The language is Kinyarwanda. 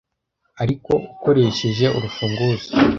ariko ukoresheje urufunguzo